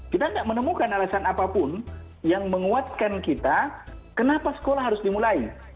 kita tidak menemukan alasan apapun yang menguatkan kita kenapa sekolah harus dimulai